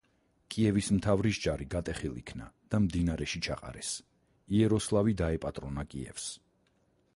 კიევის მთავრის ჯარი გატეხილ იქნა და მდინარეში ჩაყარეს, იაროსლავი დაეპატრონა კიევს.